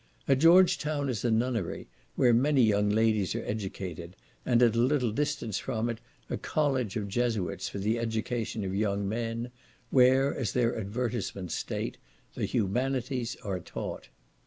At George Town is a nunnery, where many young ladies are educated, and at a little distance from it, a college of Jesuits for the education of young men, where, as their advertisements state, "the humanities are taught."